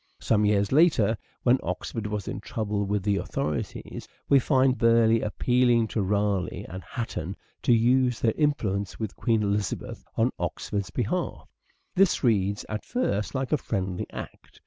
Some years later, when Oxford was in trouble with the authorities, we find Burleigh appealing to Raleigh and Hatton to use their influence with Queen Elizabeth on Oxford's behalf. This reads at first like a friendly act.